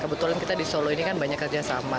kebetulan kita di solo ini kan banyak kerjasama